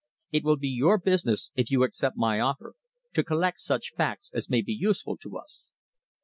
It will be your business, if you accept my offer, to collect such facts as may be useful to us."